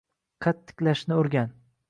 Qad tiklashni oʻrgan